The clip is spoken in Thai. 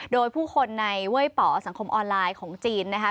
โดยผู้คนในเว้ยป่อสังคมออนไลน์ของจีนนะคะ